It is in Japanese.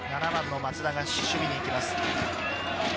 松田が守備に行きます。